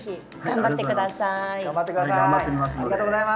頑張って下さい。